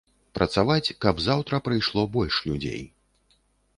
Працаваць, каб заўтра прыйшло больш людзей.